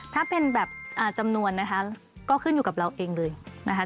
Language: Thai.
ถ้าเป็นแบบจำนวนนะคะก็ขึ้นอยู่กับเราเองเลยนะคะ